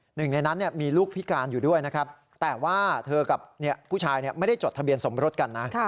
หนึ่งในนั้นมีลูกพิการอยู่ด้วยนะครับแต่ว่าเธอกับผู้ชายไม่ได้จดทะเบียนสมรสกันนะ